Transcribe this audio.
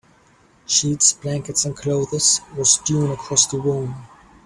Sheets, blankets, and clothes were strewn across the room.